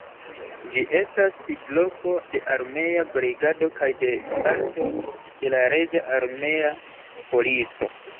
Ĝi estas sidloko de armea brigado kaj de parto de la reĝa armea polico.